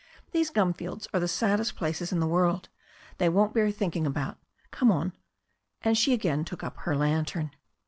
These g^m fields are the saddest places in the world. They won't bear thinking about. Come on." And again she took up the lantern.